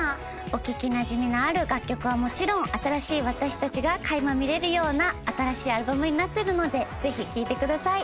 お聞きなじみのある楽曲はもちろん新しい私たちが垣間見れるような新しいアルバムになってるのでぜひ聴いてください。